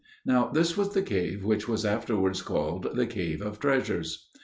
Now this was the cave which was afterwards called the Cave of Treasures.